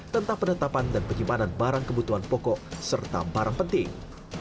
tentang penetapan dan penyimpanan barang kebutuhan pokok serta barang penting